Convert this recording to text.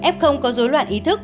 f có rối loạn ý thức